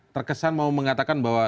terkesan mau mengatakan bahwa